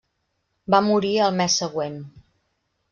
Va morir el mes següent.